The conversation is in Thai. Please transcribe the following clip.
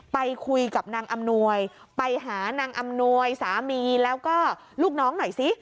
ไปคุยกับนางอำนวยไปหานางอำนวยสามีแล้วก็ลูกน้องหน่อยซิ